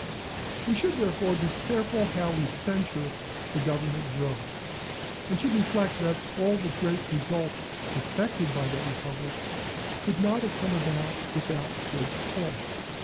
We should, therefore, be careful how we censure the government of Rome, and should reflect that all the great results effected by that republic, could not have come about without good cause.